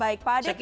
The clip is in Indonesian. baik pak adek